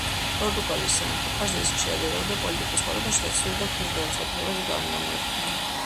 პორტუგალიის სამეფო კარზე ის ხშირად ერეოდა პოლიტიკურ ცხოვრებაში და ცდილობდა ქმრის გადაწყვეტილებებზე გავლენა მოეხდინა.